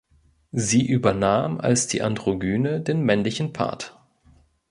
Sie übernahm als die Androgyne den „männlichen Part“.